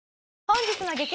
本日の激